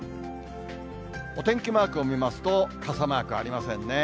お天気マークを見ますと、傘マークありませんね。